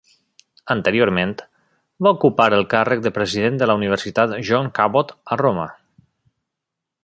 Anteriorment, va ocupar el càrrec de president de la Universitat John Cabot a Roma.